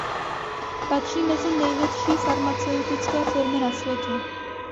Patří mezi největší farmaceutické firmy na světě.